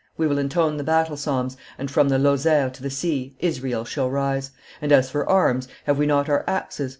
We will intone the battle psalms, and, from the Lozere to the sea, Israel shall arise! And, as for arms, have we not our axes?